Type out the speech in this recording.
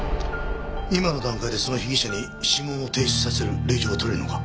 今の段階でその被疑者に指紋を提出させる令状は取れるのか？